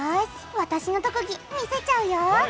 私の特技見せちゃうよ。